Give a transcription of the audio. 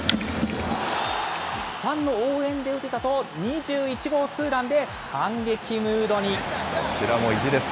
ファンの応援で打てたと、２１号ツーランで反撃ムードに。